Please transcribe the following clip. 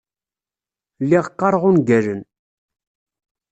Lliɣ qqareɣ ungalen.